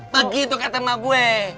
begitu kata emak gue